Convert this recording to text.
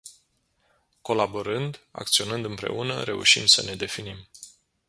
Colaborând, acționând împreună, reușim să ne definim.